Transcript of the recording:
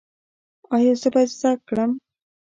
ایا زه باید زده کړم؟